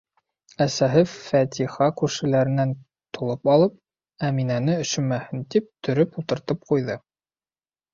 Әсәһе Фәтиха күршеләренән толоп алып, Әминәне өшөмәһен тип, төрөп ултыртып ҡуйҙы.